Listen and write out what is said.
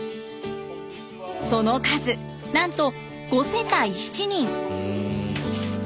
その数なんと５世帯７人。